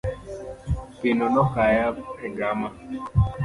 Pino nokaya e gama.